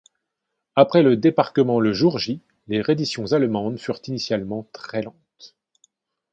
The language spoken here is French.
Après le débarquement le jour J, les redditions allemandes furent initialement très lentes.